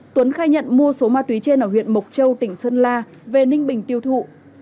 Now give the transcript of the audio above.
tuấn khai nhận mua số ma túy trên ở huyện mộc châu tỉnh sơn la về ninh bình tiêu thụ